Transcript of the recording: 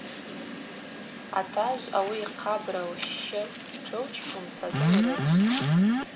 Атажв ауи йхъабра лщщы тшылчпумца дылрычвтӏ.